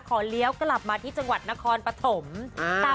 เลี้ยวกลับมาที่จังหวัดนครปฐม